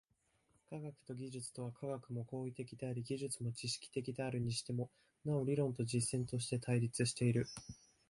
科学と技術とは、科学も行為的であり技術も知識的であるにしても、なお理論と実践として対立している。